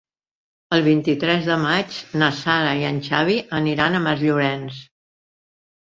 El vint-i-tres de maig na Sara i en Xavi aniran a Masllorenç.